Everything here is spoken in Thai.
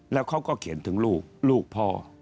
แล้วเขาก็เขียนถึงลูกลูกพ่อ